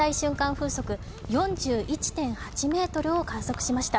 風速４１．８メートルを観測しました。